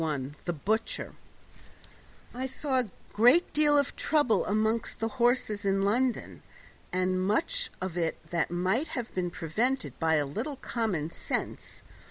41 The Butcher I saw a great deal of trouble among the horses in London, and much of it might have been prevented by a little common sense.